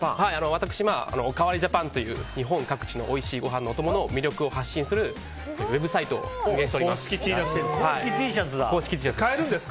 私、おかわりＪＡＰＡＮという日本各地のおいしいご飯のお供の情報を発信するウェブサイトを運営しております。